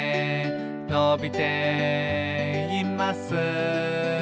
「のびています」